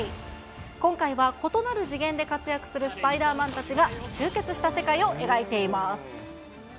今回は異なる次元で活躍するスパイダーマンたちが集結した世界を描いています。